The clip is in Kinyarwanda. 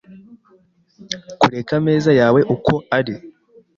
Kureka ameza yawe uko ari .